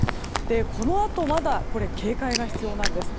このあとまだ警戒が必要なんです。